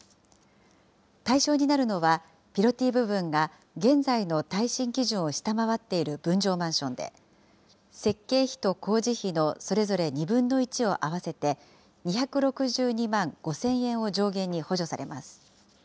対象になるのは、ピロティ部分が現在の耐震基準を下回っている分譲マンションで、設計費と工事費のそれぞれ２分の１を合わせて２６２万５０００円を上限に補助されます。